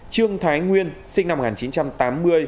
trương thái nguyên sinh năm một nghìn chín trăm tám mươi